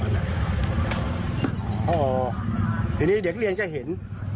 ทีนี้เด็กเรียนจะเห็น